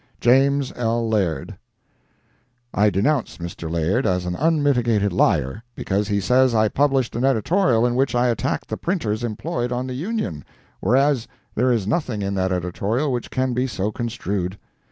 JAMES L. LAIRD I denounce Mr. Laird as an unmitigated liar, because he says I published an editorial in which I attacked the printers employed on the Union, whereas there is nothing in that editorial which can be so construed.